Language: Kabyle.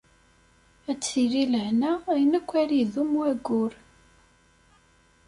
Ad tili lehna, ayen akk ara idum wayyur.